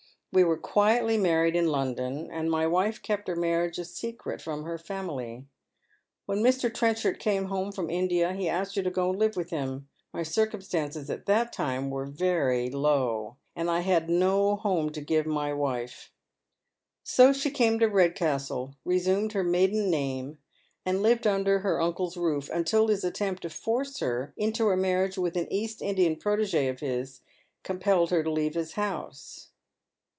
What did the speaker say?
We were quietly married, in London, and my wife kept her marriage a secret from her family. When Mr. Tren chard came home from India he asked her to go and live with him. My circumstances at that time were at very low water, and I had no home to give my wife. So she came to Eedcastle, resumed her maiden name, and lived under her uncle's roof, until his attempt to force her into a marriage with an East Indian protege of his compelled her to leave his house."